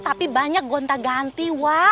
tapi banyak gonta ganti